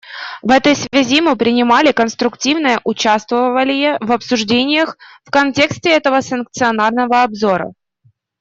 В этой связи мы принимали конструктивное участвовалие в обсуждениях в контексте этого санкционированного обзора.